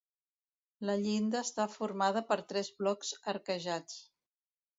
La llinda està formada per tres blocs arquejats.